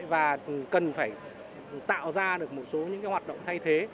và cần phải tạo ra được một số những hoạt động thay thế